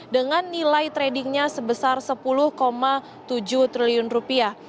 dengan nilai tradingnya sebesar sepuluh tujuh triliun rupiah